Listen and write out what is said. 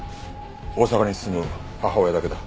大阪に住む母親だけだ。